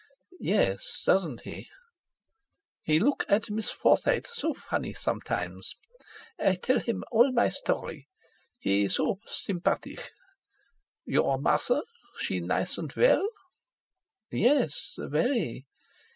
"Yes, doesn't he?" "He look at Miss Forsyte so funny sometimes. I tell him all my story; he so sympatisch. Your mother—she nice and well?" "Yes, very."